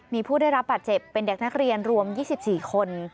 มีผู้ได้รับบาดเจ็บเป็นเด็กนักเรียนรวม๒๔คน